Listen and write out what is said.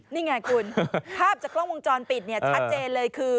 นี่ไงคุณภาพจากกล้องวงจรปิดเนี่ยชัดเจนเลยคือ